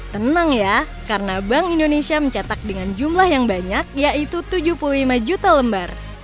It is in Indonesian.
tenang ya karena bank indonesia mencetak dengan jumlah yang banyak yaitu tujuh puluh lima juta lembar